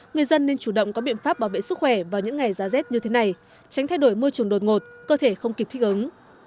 người dân nên chủ động có biện pháp bảo vệ sức khỏe vào những ngày giá rét như thế này tránh thay đổi môi trường đột ngột cơ thể không kịp thích ứng